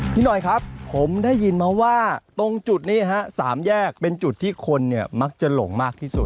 พี่หน่อยครับผมได้ยินมาว่าตรงจุดนี้๓แยกเป็นจุดที่คนเนี่ยมักจะหลงมากที่สุด